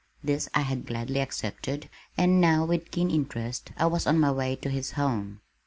This I had gladly accepted, and now with keen interest, I was on my way to his home.